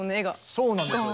そうなんですよ。